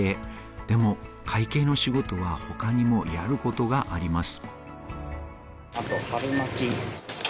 でも会計の仕事は他にもやることがあります。